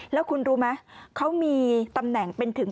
แล้วคุณรู้ไหมเขามีตำแหน่งเป็นถึง